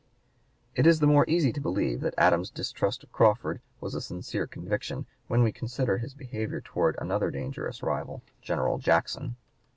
It is the more easy to believe that Adams's distrust of Crawford was a sincere conviction, when we consider his behavior towards another dangerous rival, General Jackson.